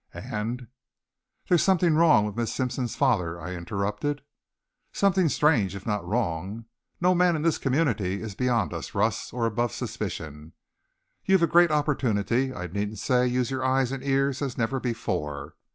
And " "There's something wrong with Miss Sampson's father," I interrupted. "Something strange if not wrong. No man in this community is beyond us, Russ, or above suspicion. You've a great opportunity. I needn't say use your eyes and ears as never before."